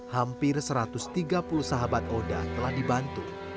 hampir satu ratus tiga puluh sahabat oda telah dibantu